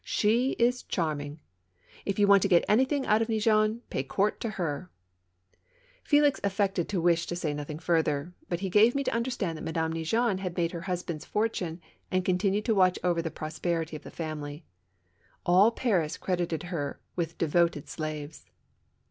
She is charming ! If you want to get anything out of Neigeon, pay court to her !" Felix affected to wish to say nothing farther. But he gave me to understand that Madame Neigeon had made her husband's fortune and continued to watch over the prosperity of the family. All Paris credited her with devoted slaves.